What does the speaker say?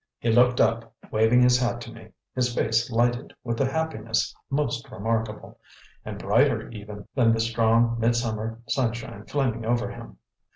He looked up, waving his hat to me, his face lighted with a happiness most remarkable, and brighter, even, than the strong, midsummer sunshine flaming over him.